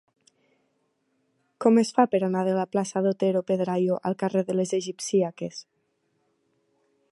Com es fa per anar de la plaça d'Otero Pedrayo al carrer de les Egipcíaques?